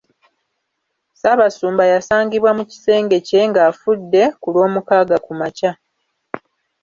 Ssaabasumba yasangibwa mu kisenge kye ng’afudde ku Lwomukaaga kumakya.